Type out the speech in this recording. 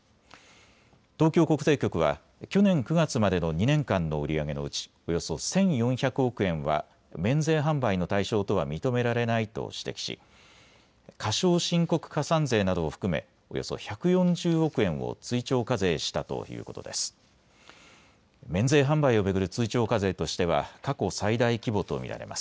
東京国税局は去年９月までの２年間の売り上げのうちおよそ１４００億円は免税販売の対象とは認められないと指摘し、過少申告加算税などを含めおよそ１４０億円を追徴課税したということです。